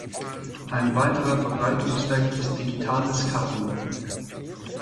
Ein weiterer Verbreitungsweg ist digitales Kabel.